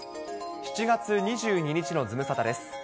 ７月２２日のズムサタです。